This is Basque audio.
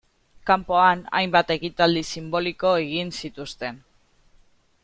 Kanpoan, hainbat ekitaldi sinboliko egin zituzten.